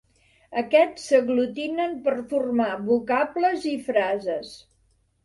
Aquests s'aglutinen per formar vocables i frases.